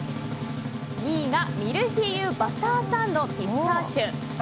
２位がミルフィーユバターサンドピスターシュ。